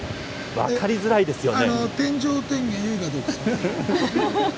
分かりづらいですよね。